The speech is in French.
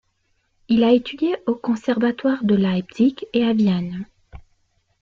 Il a étudié au Conservatoire de Leipzig et à Vienne.